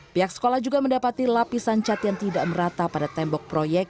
pihak sekolah juga mendapati lapisan cat yang tidak merata pada tembok proyek